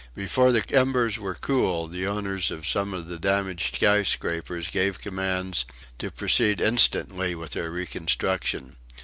Before the embers were cool the owners of some of the damaged skyscrapers gave commands to proceed instantly with their reconstruction.